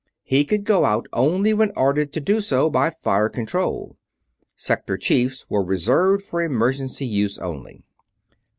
He could go out only when ordered to do so by Fire Control: Sector Chiefs were reserved for emergency use only.